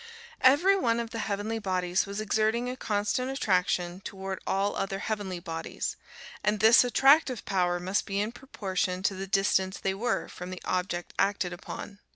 Every one of the heavenly bodies was exerting a constant attraction toward all other heavenly bodies, and this attractive power must be in proportion to the distance they were from the object acted upon.